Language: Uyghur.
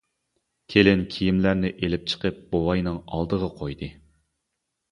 كېلىن كىيىملەرنى ئېلىپ چىقىپ بوۋاينىڭ ئالدىغا قويدى.